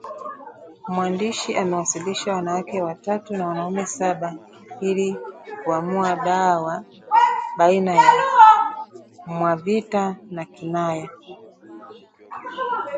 Mwandishi amewasilisha wanawake watatu na wanaume saba ili kuamua daawa baina ya Mwavita na Kinaya